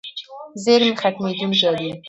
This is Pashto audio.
زیرمې ختمېدونکې دي.